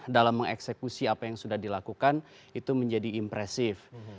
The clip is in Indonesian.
dalam mengeksekusi apa yang sudah dilakukan itu menjadi impresif